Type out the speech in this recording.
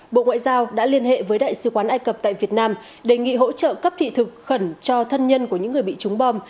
bộ ngoại giao đã liên hệ với đại sứ quán ai cập tại việt nam đề nghị hỗ trợ cấp thị thực khẩn cho thân nhân của những người bị trúng bom